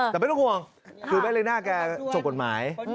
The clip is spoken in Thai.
แต่ไม่ต้องห่วงแม่รีน่าก็จบกฎหมาย